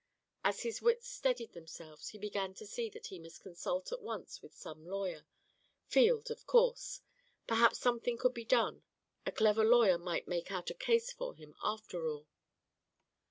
As his wits steadied themselves he began to see that he must consult at once with some lawyer Field, of course perhaps something could be done; a clever lawyer might make out a case for him after all.